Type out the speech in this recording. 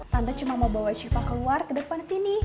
tante cuma mau bawa shiva keluar ke depan sini